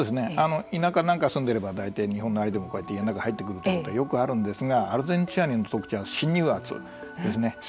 田舎なんか住んでいれば大体日本のアリでも家の中に入ってくることはよくあるんですがアルゼンチンアリの特徴は侵入圧ですね。